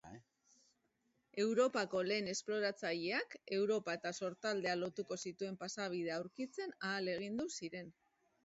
Europako lehen esploratzaileak Europa eta Sortaldea lotuko zituen pasabidea aurkitzen ahalegindu ziren.